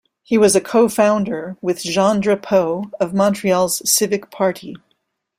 He was a co-founder with Jean Drapeau of Montreal's Civic Party.